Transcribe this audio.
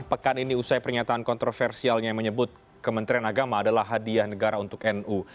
pekan ini usai pernyataan kontroversialnya yang menyebut kementerian agama adalah hadiah negara untuk nu